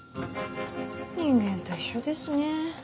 人間と一緒ですね。